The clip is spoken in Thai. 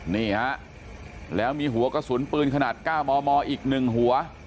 นี่ฮะแล้วมีหัวกระสุนปืนขนาด๙มมอีก๑หัว